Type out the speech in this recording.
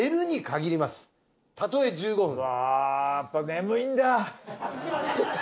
あぁやっぱ眠いんだ。